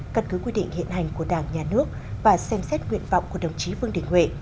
căn cứ quy định hiện hành của đảng nhà nước và xem xét nguyện vọng của đồng chí vương đình huệ